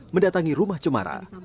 mendatangi rumah cemara